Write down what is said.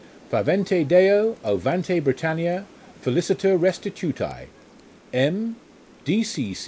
Favente Deo, ovante Britannia, feliciter restitutse, M.